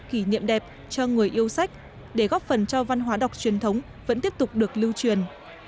kỷ niệm đẹp cho người yêu sách để góp phần cho văn hóa đọc truyền thống vẫn tiếp tục được lưu truyền